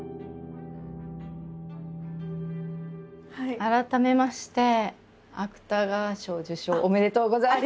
改めまして芥川賞受賞おめでとうございます。